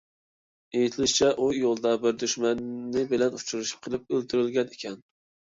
ئېيتىلىشىچە، ئۇ يولدا بىر دۈشمىنى بىلەن ئۇچرىشىپ قېلىپ ئۆلتۈرۈلگەن ئىكەن.